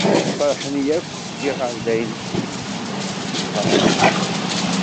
Feṛḥen yakk yiɣerdayen s tikti-nni acku telha.